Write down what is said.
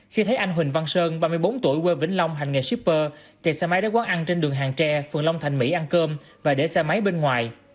khi thấy anh huỳnh văn sơn ba mươi bốn tuổi quê vĩnh long hành nghề shipper thì xe máy đến quán ăn trên đường hàng tre phường long thành mỹ ăn cơm và để xe máy bên ngoài